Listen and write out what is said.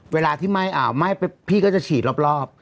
เวลาที่ไหม้อ่าวไหม้ไปพี่ก็จะฉีดรอบ